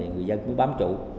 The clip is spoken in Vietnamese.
người dân mới bám trụ